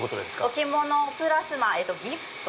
置物プラスギフト。